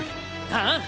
ああ！